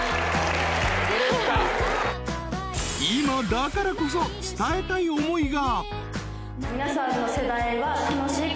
［今だからこそ伝えたい思いが］